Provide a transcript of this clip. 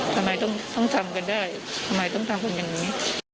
ทำไมต้องทำกันได้ทำไมต้องทำกันอย่างนี้